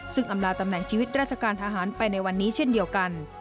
ซึ่งอำลาตำแหน่งชีวิตราชการทหารไปในวันนี้เช่นเดียวกัน